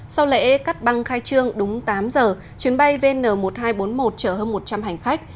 sau lễ cắt băng khai trương đúng tám giờ chuyến bay vn một nghìn hai trăm bốn mươi một chở hơn một trăm linh hành khách